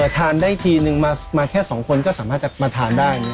ทานได้ทีนึงมาแค่๒คนก็สามารถจะมาทานได้